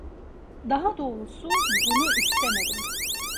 Daha doğrusu bunu istemedim.